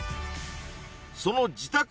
その自宅